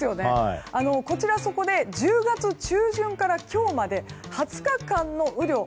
そこで１０月中旬から今日まで２０日間の雨量。